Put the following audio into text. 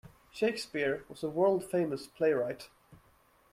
Shakespeare was a world-famous playwright.